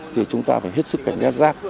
thì chúng ta phải hết sức cảnh giác